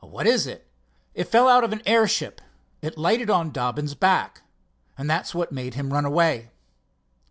"What is it?" "It fell out of an airship. It lighted on Dobbin's back. That's what made him run away."